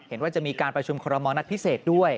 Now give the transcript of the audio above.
เห็นว่าจะมีการประชุมคอรมณ์นัดพิเศษด้วย